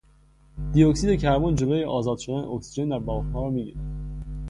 دی اکسید کربن جلو آزاد شدن اکسیژن در بافتها را میگیرد.